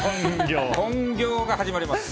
本業が始まります！